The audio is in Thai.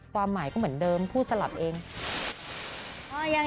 ความหมายก็เหมือนเดิมพูดสลับเอง